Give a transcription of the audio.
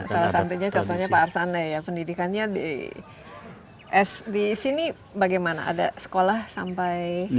salah satunya contohnya pak arsana ya pendidikannya di sini bagaimana ada sekolah sampai